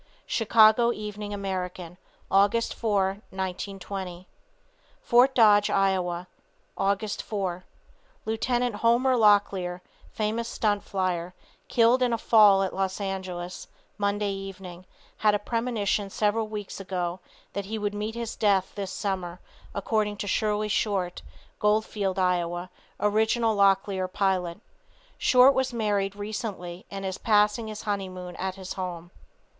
Chicago Evening American, Aug. 4, 1920. Fort Dodge, Ia., Aug. 4. Lieut. Homer Locklear, famous stunt flyer, killed in a fall at Los Angeles, Monday evening, had a premonition several weeks ago that he would meet his death this summer, according to Shirley Short, Goldfield Iowa, original Locklear pilot. Short was married recently and is passing his honeymoon at his home.